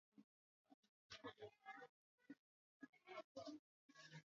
changanya kwenye unga ulioumka